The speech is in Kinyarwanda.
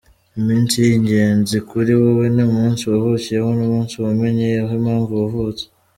Iminsi y’ingenzi kuri wowe, ni umunsi wavukiyeho n’umunsi wamenyeyeho impamvu wavutse.